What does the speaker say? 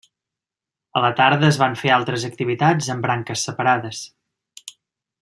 A la tarda es van fer altres activitats amb branques separades.